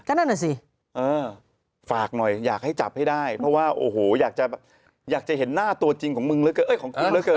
ก็นั่นแหละสิฝากหน่อยอยากให้จับให้ได้เพราะว่าโอ้โหอยากจะเห็นหน้าตัวจริงของคุณเหลือเกิน